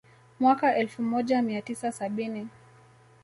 Mwaka elfu moja mia tisa sabini